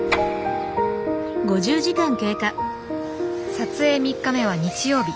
撮影３日目は日曜日。